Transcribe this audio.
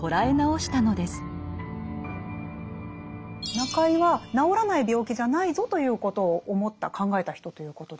中井は治らない病気じゃないぞということを思った考えた人ということでしょうか？